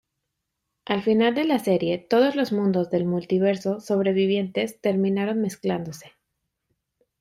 Al final de la serie, todos los mundos del multiverso sobrevivientes terminaron mezclándose.